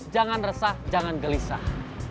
jangan resah jangan gelisah